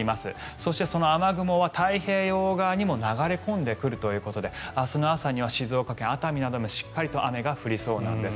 そして、その雨雲は太平洋側にも流れ込んでくるということで明日の朝には静岡県熱海などでしっかりと雨が降りそうです。